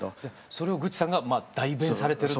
それをグッチさんが代弁されてる。